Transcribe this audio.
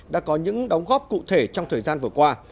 đã có những đóng góp cụ thể trong thời gian vừa qua